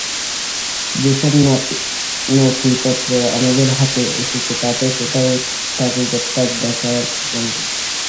যেসব নথিপত্র আমাদের হাতে এসেছে, তাতে কোথাও তাঁকে গ্রেপ্তার দেখা যায় না।